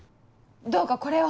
どうかこれを。